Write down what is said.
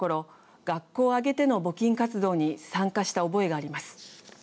学校を挙げての募金活動に参加した覚えがあります。